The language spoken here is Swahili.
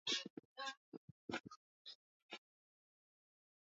Hivi sasa hali hii imebadilika sana